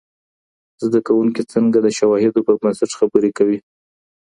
زده کوونکي څنګه د شواهدو پر بنسټ خبري کوي؟